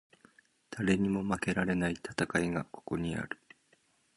誰にも負けられない戦いがここにある